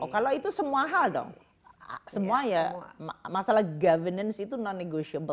kalau itu semua hal dong semua ya masalah governance itu non negosiable